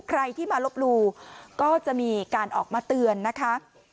ใครที่มาลบหลูก็จะมีการออกมาเตือนนะคะ